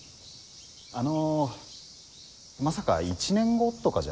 あのまさか１年後とかじゃないですよね？